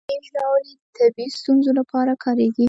ځینې ژاولې د طبي ستونزو لپاره کارېږي.